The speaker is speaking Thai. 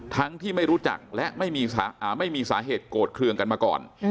ทั้งที่ไม่รู้จักและไม่มีสาเหตุโกรธเครื่องกันมาก่อน